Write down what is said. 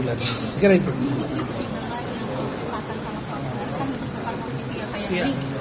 ini itu sekitar lagi yang perlu disahkan sama soal pemerintah